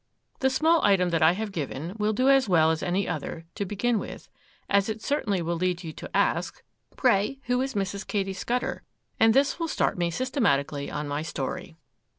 The small item that I have given will do as well as any other to begin with, as it certainly will lead you to ask, 'Pray, who was Mrs. Katy Scudder?'—and this will start me systematically on my story.